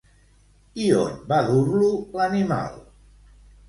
I on va dur-lo l'animal?